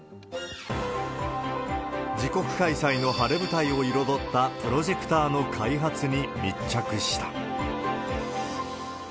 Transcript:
自国開催の晴れ舞台を彩ったプロジェクターの開発に密着した。